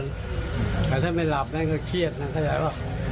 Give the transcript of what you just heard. แต่ถ้าไม่หลับนั่นก็เครียดนะเข้าใจว่า